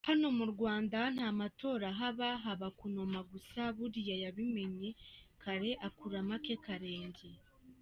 hano mu Rwanda ntamatora ahaba, haba kunoma gusa, buriya yabimenye kare akuramo ake karenge.